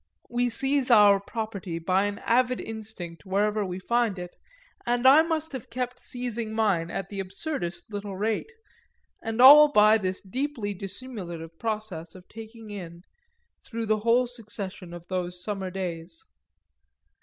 We seize our property by an avid instinct wherever we find it, and I must have kept seizing mine at the absurdest little rate, and all by this deeply dissimulative process of taking in, through the whole succession of those summer days.